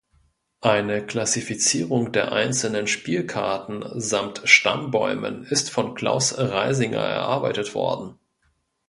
Eine Klassifizierung der einzelnen Spielkarten samt Stammbäumen ist von Klaus Reisinger erarbeitet worden.